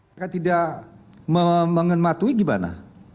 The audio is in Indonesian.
mereka tidak mengenmatui gimana